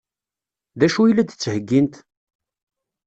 D acu i la d-ttheggint?